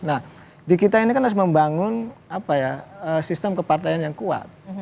nah di kita ini kan harus membangun sistem kepartaian yang kuat